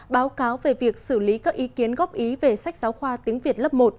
báo cáo về việc xử lý các ý kiến góp ý về sách giáo khoa tiếng việt lớp một